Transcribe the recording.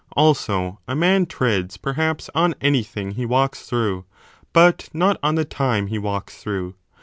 Also a man treads, perhaps, on any thing he walks through, but not on the time he walks through.